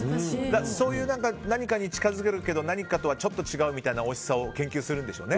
そういう何かに近づけるけど何かとはちょっと違うみたいなおいしさを研究されてるんでしょうね。